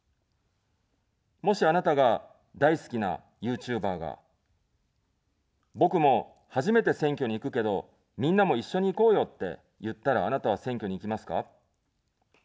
もし、あなたが大好きなＹｏｕＴｕｂｅｒが、僕も初めて選挙に行くけど、みんなも一緒に行こうよって言ったら、あなたは選挙に行きますか。